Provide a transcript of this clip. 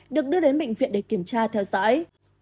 được đưa đến bệnh viện để kiểm tra theo dõi